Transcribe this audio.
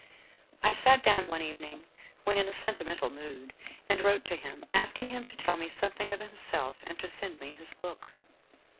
I sat down one evening when in a senti mental mood, and wrote to him, asking him to tell me something of himself and to send me his book.